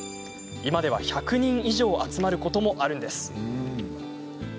今では１００人以上集まることもあるんです。